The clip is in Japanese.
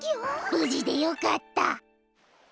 ぶじでよかった。